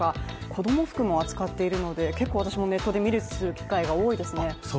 子供服も扱っているので結構、私もネットで目にする機会が多いですね。